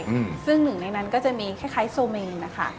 ซึ่งหนึ่งในนั้นก็จะมีคล้ายโซเมงนะคะ